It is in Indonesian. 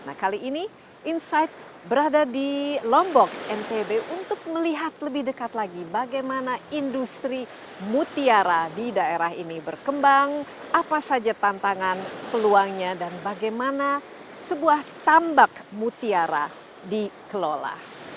nah kali ini insight berada di lombok ntb untuk melihat lebih dekat lagi bagaimana industri mutiara di daerah ini berkembang apa saja tantangan peluangnya dan bagaimana sebuah tambak mutiara dikelola